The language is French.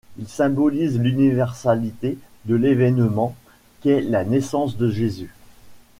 Ils symbolisent l'universalité de l'événement qu'est la naissance de Jésus.